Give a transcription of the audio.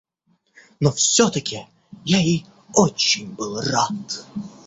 Но всё-таки я ей очень был рад.